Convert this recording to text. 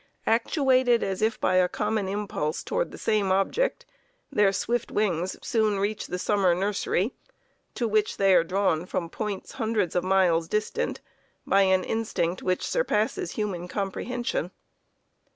Actuated as if by a common impulse toward the same object, their swift wings soon reach the summer nursery, to which they are drawn from points hundreds of miles distant by an instinct which surpasses human comprehension.